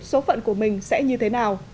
số phận của mình sẽ như thế nào